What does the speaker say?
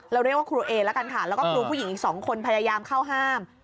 เรียกว่าครูเอละกันค่ะแล้วก็ครูผู้หญิงอีก๒คนพยายามเข้าห้าม